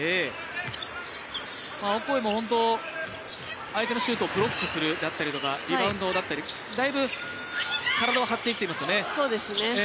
オコエも、相手のシュートをブロックするだとかリバウンドだったり、だいぶ、体を張っていっていますかね。